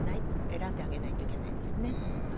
選んであげないといけないですね。